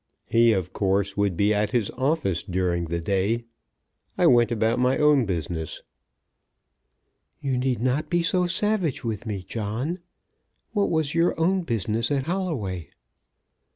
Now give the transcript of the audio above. He, of course, would be at his office during the day. I went about my own business." "You need not be so savage with me, John. What was your own business at Holloway?"